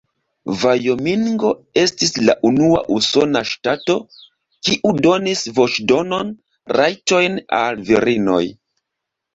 Vajomingo estis la unua usona ŝtato, kiu donis voĉdon-rajtojn al virinoj.